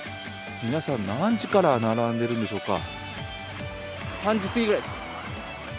皆さん、何時から並んでいるのでしょうか。